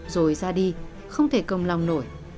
rồi ra đi không thể công lòng nổi